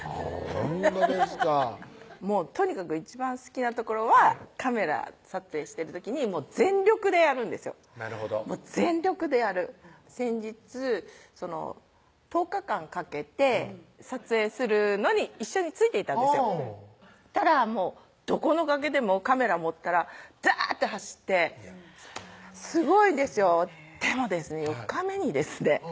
ほんとですかとにかく一番好きなところはカメラ撮影してる時に全力でやるんですよなるほどもう全力でやる先日１０日間かけて撮影するのに一緒についていったんですよどこの崖でもカメラ持ったらダーッて走ってすごいんですよでもですね４日目にですね